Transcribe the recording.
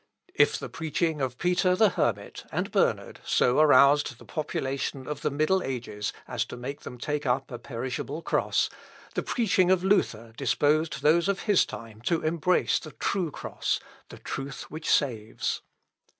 If the preaching of Peter the Hermit and Bernard so aroused the population of the middle ages as to make them take up a perishable cross, the preaching of Luther disposed those of his time to embrace the true cross, the truth which saves.